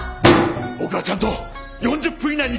僕はちゃんと４０分以内に切り上げた！